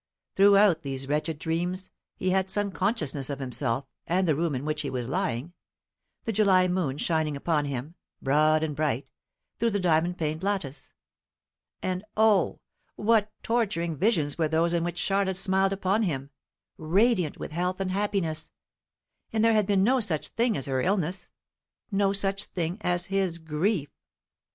Throughout these wretched dreams he had some consciousness of himself and the room in which he was lying, the July moon shining upon him, broad and bright, through the diamond paned lattice. And O, what torturing visions were those in which Charlotte smiled upon him, radiant with health and happiness; and there had been no such thing as her illness, no such thing as his grief.